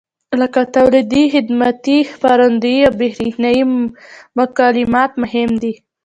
لکه تولیدي، خدماتي، خپرندویي او برېښنایي مکالمات مهم دي.